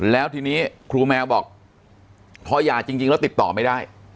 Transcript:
แล้วทีนี้ครูแมวบอกพอหย่าจริงแล้วติดต่อไม่ได้